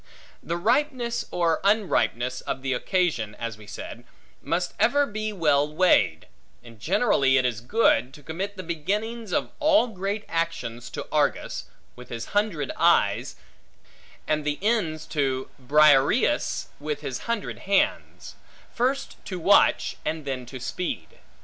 The ripeness, or unripeness, of the occasion (as we said) must ever be well weighed; and generally it is good, to commit the beginnings of all great actions to Argus, with his hundred eyes, and the ends to Briareus, with his hundred hands; first to watch, and then to speed.